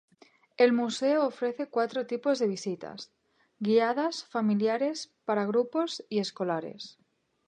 El Museo ofrece cuatro tipos de visitas: guiadas, familiares, para grupos y escolares.